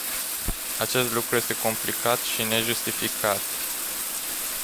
Acest lucru este complicat și nejustificat.